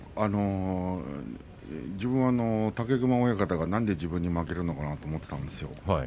自分は、武隈親方がなんで自分に負けるのかなと思っていたんです。